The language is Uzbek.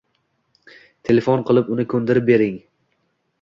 Telefon qilib, uni koʻndirib bering.